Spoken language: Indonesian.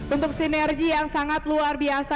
untuk sinergi yang sangat luar biasa